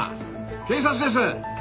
警察です。